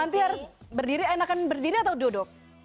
nanti harus berdiri enakan berdiri atau duduk